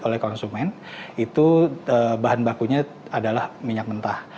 oleh konsumen itu bahan bakunya adalah minyak mentah